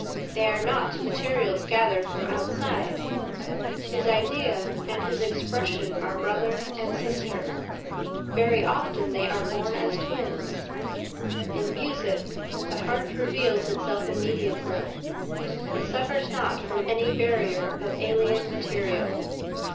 They are not materials gathered from outside. His idea and his expression are brother and sister; very often they are born as twins. In music the heart reveals itself immediately; it suffers not from any barrier of alien material.